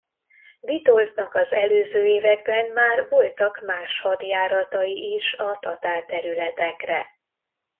Vitoldnak az előző években már voltak más hadjáratai is a tatár területekre.